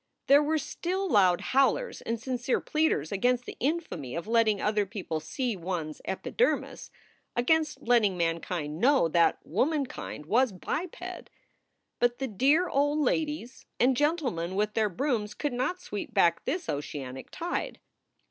There were still loud howlers and sincere pleaders against the infamy of letting other people see one s epidermis, against letting mankind know that womankind was biped. But the dear old ladies and gentlemen with their brooms could not sweep back this oceanic tide.